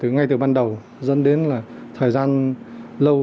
ngay từ ban đầu dẫn đến là thời gian lâu